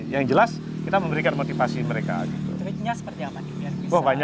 yang jelas kita memberikan motivasi mereka